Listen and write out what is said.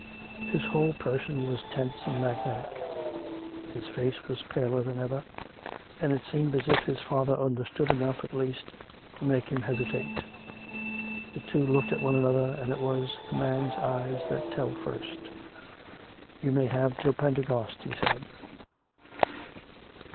His whole person was tense and magnetic; his face was paler than ever; and it seemed as if his father understood enough, at least, to make him hesitate. The two looked COME RACK! COME ROPE! 117 at one another; and it was the man's eyes that fell first. " You may have till Pentecost," he said.